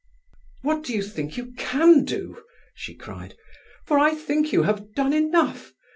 "What do you think you can do?" she cried. "For I think you have done enough.